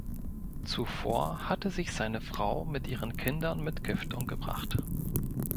Zuvor hatte sich seine Frau mit ihren Kindern mit Gift umgebracht.